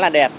khá là đẹp